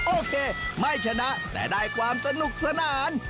โอเคไม่ชนะแต่ได้ความสนุกสนาน